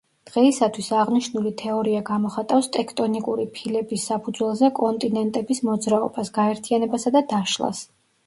დღეისათვის აღნიშნული თეორია გამოხატავს ტექტონიკური ფილების საფუძველზე კონტინენტების მოძრაობას, გაერთიანებასა და დაშლას.